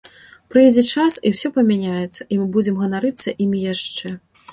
Прыйдзе час і ўсё памяняецца, мы будзем ганарыцца імі яшчэ.